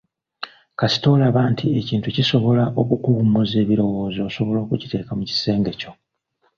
Kasita olaba nti ekintu kisobola okukuwummuza ebirowoozo osobola okukiteeka mu kisenge kyo.